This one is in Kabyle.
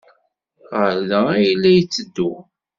Ɣer da ay la d-yetteddu?